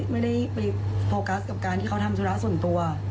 ไม่ได้ไปโฟกัสกับการที่เขาทำธุระส่วนตัว